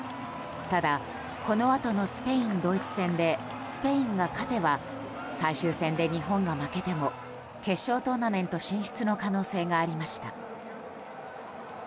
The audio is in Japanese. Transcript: ただ、このあとのスペイン、ドイツ戦でスペインが勝てば最終戦で日本が負けても決勝トーナメント進出の可能性がありました。